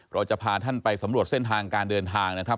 เราจะพาท่านไปสำรวจเส้นทางการเดินทางนะครับ